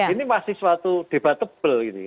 ini masih suatu debat tebal